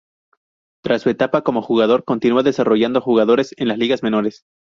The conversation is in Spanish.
Tras su etapa como jugador continua desarrollando jugadores en las ligas menores.